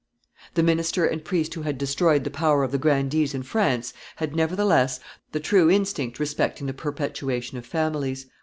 The minister and priest who had destroyed the power of the grandees in France had, nevertheless, the true instinct respecting the perpetuation of families.